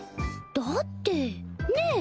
だってねえ